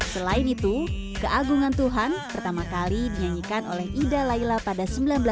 selain itu keagungan tuhan pertama kali dinyanyikan oleh ida laila pada seribu sembilan ratus sembilan puluh